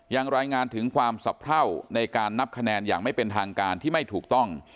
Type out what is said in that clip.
ยังรายงานถึงความสะเพราในการนับคะแนนอย่างไม่เป็นทางการที่ไม่ถูกต้อง